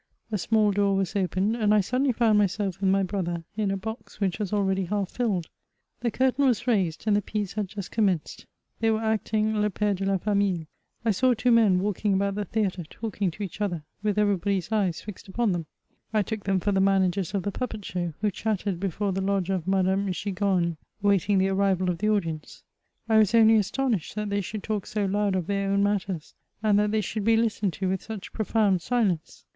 A small door was opened, and I suddenly found myself with my brother, in a box which was already half filled. The curtain was raised, and the piece had just commenced. They were acting LePhre de la Famille. I saw two men walk ing about the theatre, talking to each other, with everybody's eyes fixed upon them. I took them for the managers of the puppet show, who chatted before the \odgt of Madame Gi gogne, waiting the arriyal of the audience. I was only asto nished that they should talk so loud of their own matters, and that they should be listened to with such profound silence.